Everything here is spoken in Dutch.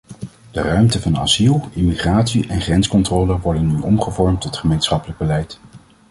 Die ruimten van asiel, immigratie en grenscontrole worden nu omgevormd tot gemeenschappelijk beleid.